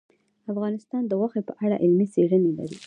افغانستان د غوښې په اړه علمي څېړنې لري.